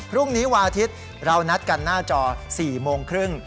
พรุ่งนี้วันอาทิตย์เรานัดกันหน้าจอ๔โมงครึ่ง